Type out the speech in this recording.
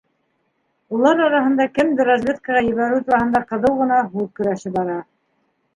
Улар араһында кемде разведкаға ебәреү тураһында ҡыҙыу ғына һүҙ көрәше бара.